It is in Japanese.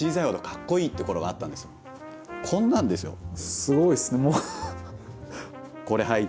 すごいですねもう。